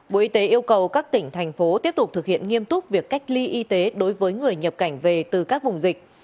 bộ y tế yêu cầu các tỉnh thành phố tiếp tục thực hiện nghiêm túc việc cách ly y tế đối với người nhập cảnh về từ các vùng dịch